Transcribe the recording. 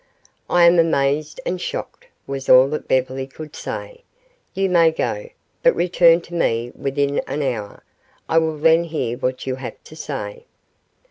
"I am amazed and shocked," was all that Beverly could say. "You may go, but return to me within an hour. I will then hear what you have to say."